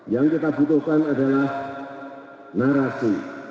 yang kita butuhkan adalah narasi